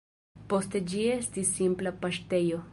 Poste ĝi estis simpla paŝtejo.